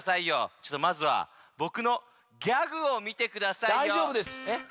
ちょっとまずはぼくのギャグをみてくださいよ。